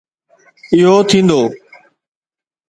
اهو ٿيندو.